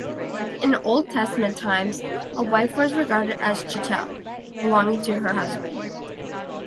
In Old Testament times, a wife was regarded as chattel, belonging to her husband.